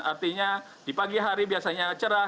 artinya di pagi hari biasanya cerah